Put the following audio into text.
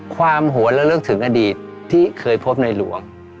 ความหัวเลือกเลือกถึงอดีตที่เคยพบในหลวง